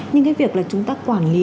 nhưng cái việc là chúng ta quản lý